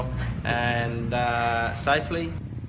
dan dengan aman